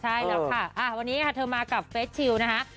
ใช่แล้วค่ะวันนี้ค่ะเธอมากับเฟสชิลนะคะ